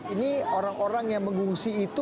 ini orang orang yang mengungsi itu